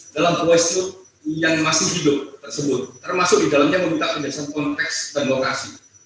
dalam voice truth yang masih hidup tersebut termasuk di dalamnya meminta penjelasan konteks dan lokasi